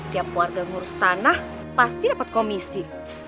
tiap warga ngurus tanah pasti dapat komisi